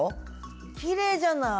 きれいじゃない？